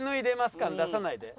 感出さないで。